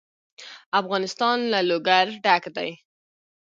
افغانستان له لوگر ډک دی.